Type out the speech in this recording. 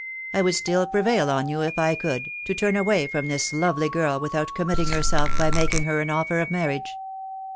I would still prevail on you, if I could, to turn away from this lovely girl without committing yourself by making her an offer of marriage.